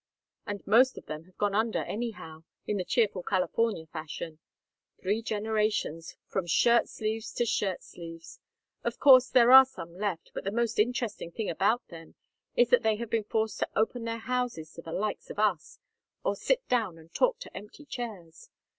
And most of them have gone under anyhow in the cheerful California fashion: three generations from shirt sleeves to shirt sleeves. Of course there are some left, but the most interesting thing about them is that they have been forced to open their houses to the likes of us or sit down and talk to empty chairs.